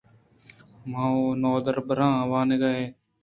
من وَ نودربراں وانینگ ءَ ات آں